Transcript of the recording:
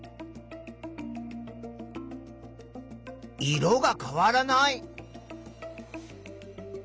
色が変わらない。